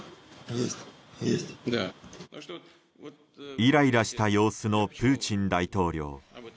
イライラした様子のプーチン大統領。